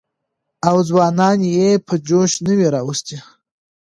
او ځوانان يې په جوش نه وى راوستي.